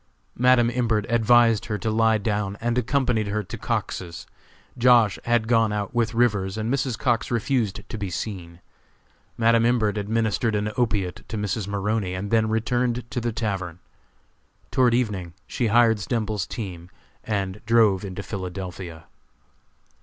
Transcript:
Madam Imbert advised her to lie down, and accompanied her to Cox's. Josh. had gone out with Rivers, and Mrs. Cox refused to be seen. Madam Imbert administered an opiate to Mrs. Maroney, and then returned to the tavern. Toward evening she hired Stemples's team and drove into Philadelphia.